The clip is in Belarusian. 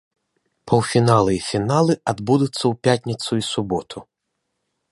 Паўфіналы і фіналы адбудуцца ў пятніцу і суботу.